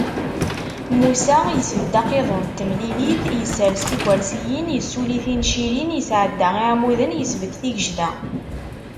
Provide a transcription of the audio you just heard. Musa yesbedd aqiḍun n temlilit, isers tikersiyin, issuli tincirin, isɛedda iɛmuden, isbedd tigejda.